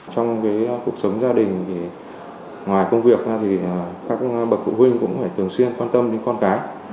trong cuộc sống gia đình thì ngoài công việc thì các bậc phụ huynh cũng phải thường xuyên quan tâm đến con cái